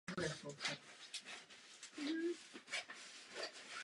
Vedle věže je v západní zdi lodi proražen zvýšený vchod na kruchtu.